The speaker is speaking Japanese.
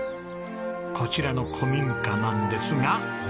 こちらの古民家なんですが。